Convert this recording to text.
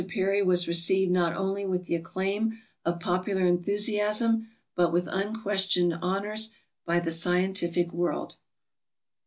Peary was received not only with the acclaim of popular enthusiasm but with unquestioned honors by the scientific world.